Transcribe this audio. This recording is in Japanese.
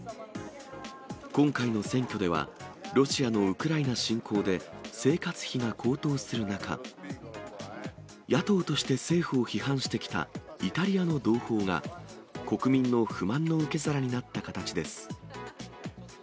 今回の選挙では、ロシアのウクライナ侵攻で生活費が高騰する中、野党として政府を批判してきたイタリアの同胞が、国民の不満の受け皿になった形です。